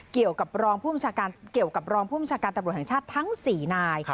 เกี่ยวกับรองผู้มูลชาติการตำรวจแห่งชาติทั้ง๔นาย